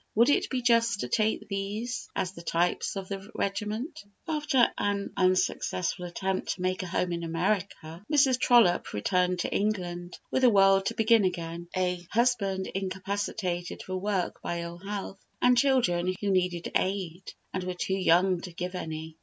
Would it be just to take these as the types of the regiment? After an unsuccessful attempt to make a home in America, Mrs. Trollope returned to England, with the world to begin again, a husband incapacitated for work by ill health, and children who needed aid, and were too young to give any.